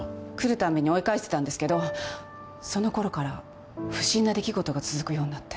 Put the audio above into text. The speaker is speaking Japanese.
たんびに追い返してたんですけどそのころから不審な出来事が続くようになって。